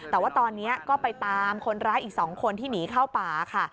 แต่ว่าตอนนี้ก็ไปตามคนร้ายอีก๒คนที่หนีเข้าป่าค่ะ